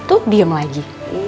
itu diam lagi